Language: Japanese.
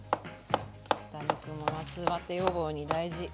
豚肉も夏バテ予防に大事。